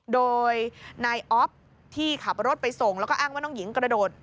โดยนายอ๊อฟที่ขับรถไปส่งแล้วก็อ้างว่าน้องหญิงกระโดด